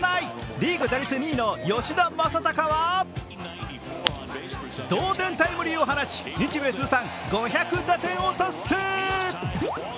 リーグ打率２位の吉田正尚は同点タイムリーを放ち、日米通算５００打点を達成。